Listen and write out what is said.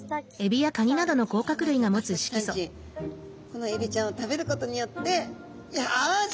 このエビちゃんを食べることによってよし！